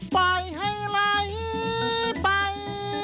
ไปให้ลัยไป